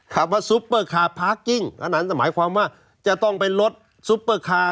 คำว่าซุปเปอร์คาร์พาร์คกิ้งอันนั้นหมายความว่าจะต้องเป็นรถซุปเปอร์คาร์